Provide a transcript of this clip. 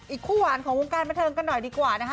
คู่หวานของวงการบันเทิงกันหน่อยดีกว่านะคะ